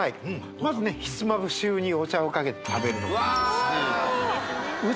まずねひつまぶし風にお茶をかけて食べるのもいいですしうわ